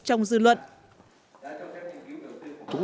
trong dư luận